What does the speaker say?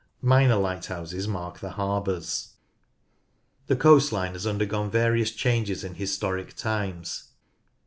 Minor lighthouses mark the harbours. The coast line has undergone various changes in historic times.